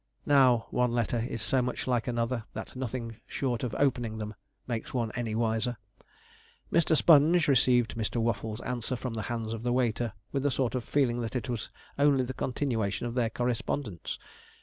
Now one letter is so much like another, that nothing short of opening them makes one any wiser. Mr. Sponge received Mr. Waffles' answer from the hands of the waiter with the sort of feeling that it was only the continuation of their correspondence.